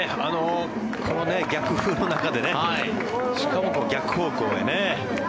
この逆風の中でしかも、逆方向へね。